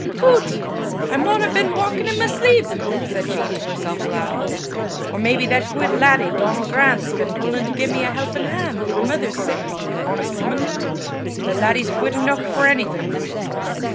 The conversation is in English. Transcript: "Hoots! I maun hae been walkin' i' my sleep!" said Jean to herself aloud. "Or maybe that guid laddie Donal Grant's been wullin' to gie me a helpin' han' for 's mither's sake, honest wuman! The laddie's guid eneuch for onything!